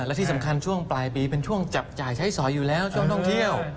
และที่สำคัญช่วงปลายปีเป็นช่วงจับจ่ายใช้สอยอยู่แล้วช่วงท่องเที่ยว